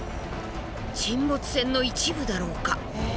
沈没船の一部だろうか。